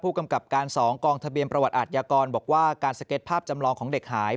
กำกับการ๒กองทะเบียนประวัติอาทยากรบอกว่าการสเก็ตภาพจำลองของเด็กหาย